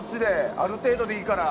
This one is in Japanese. ある程度でいいから。